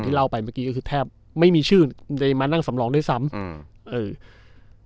เล่าไปเมื่อกี้ก็คือแทบไม่มีชื่อได้มานั่งสำรองด้วยซ้ำอืมเออ